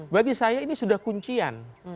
bagi saya ini sudah kuncian